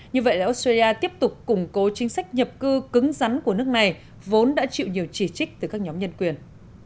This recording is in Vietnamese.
như vậy là australia tiếp tục củng cố chính sách nhập cư cứng rắn của nước này vốn đã chịu nhiều chỉ trích từ các nhóm nhân quyền